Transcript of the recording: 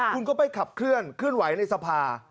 คุณก็ไปขับเคลื่อนเคลื่อนไหวในสภา